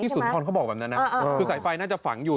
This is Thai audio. สุนทรเขาบอกแบบนั้นนะคือสายไฟน่าจะฝังอยู่